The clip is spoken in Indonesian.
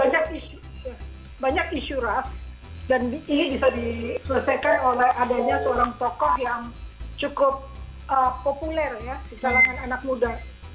banyak isu banyak isu ras dan ini bisa diselesaikan oleh adanya seorang tokoh yang cukup populer ya di kalangan anak muda